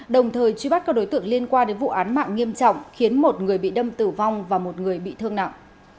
đồng thời truy bắt các đối tượng liên quan đến vụ án mạng nghiêm trọng khiến một người bị đâm tử vong và một người bị thương nặng